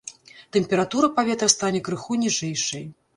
Тэмпература паветра стане крыху ніжэйшай.